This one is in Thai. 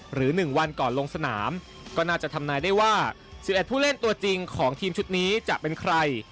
หรือ๑วันก่อนลงสนามก็น่าจะทำนายได้ว่า๑๑ผู้เล่นตัวจริงของทีมชุดนี้จะเป็นใคร